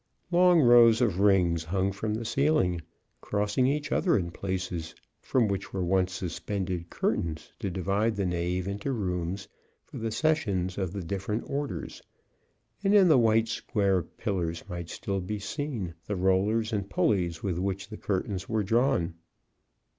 Long rows of rings hung from the ceiling, crossing each other in places, from which were once suspended curtains to divide the nave into rooms for the sessions of the different orders, and in the white square pillars might still be seen the rollers and pulleys with which the curtains were drawn.